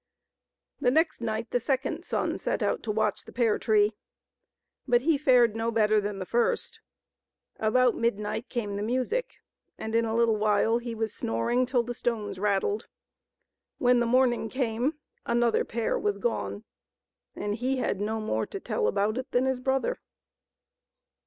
The next night the second son set out to watch the pear tree. But he fared no better than the first. About midnight came the music, and in a little while he was snoring till the stones rattled. When the morning came another pear was gone, and he had no more to tell about it than his brother.